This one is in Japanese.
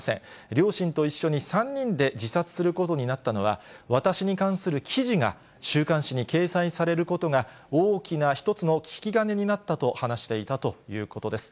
両親と一緒に３人で自殺することになったのは、私に関する記事が週刊誌に掲載されることが大きな一つの引き金になったと話していたということです。